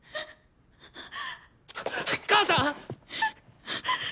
母さん！